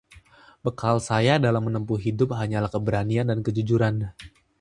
bekal saya dalam menempuh hidup hanyalah keberanian dan kejujuran